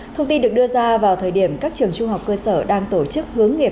thông tin được đưa ra vào thời điểm các trường trung học cơ sở đang tổ chức hướng nghiệp